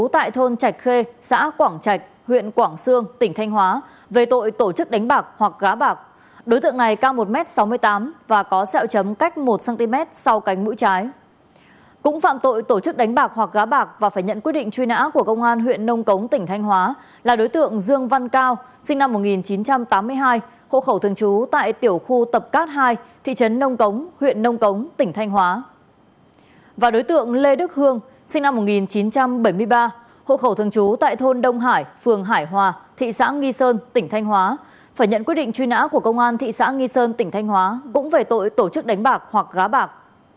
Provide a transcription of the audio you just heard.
tại thôn đông hải phường hải hòa thị xã nghi sơn tỉnh thanh hóa phải nhận quyết định truy nã của công an thị xã nghi sơn tỉnh thanh hóa cũng về tội tổ chức đánh bạc hoặc gá bạc